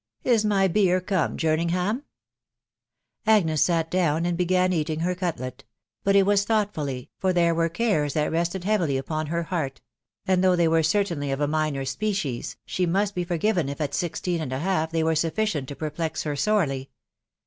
... Is my beer come, Jerningham ?" Agnes sat down, and began eating her cutlet ; but it was thoughtfully, for there were cares that rested heavily upon her heart ; and though they were certainly of a minor species, the must be forgiven if at sixteen and a half they were sufficient to perplex her sorely.